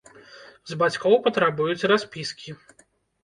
З бацькоў патрабуюць распіскі.